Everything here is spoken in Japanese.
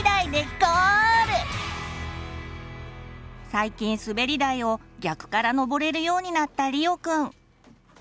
最近すべり台を逆からのぼれるようになったりおくん。